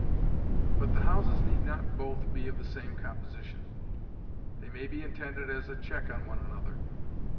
But the houses need not both be of the same composition; they may be intended as a check on one another.